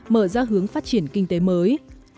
mở ra hướng phát triển kinh tế mới